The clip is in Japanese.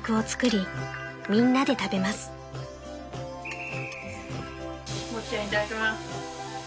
いただきます。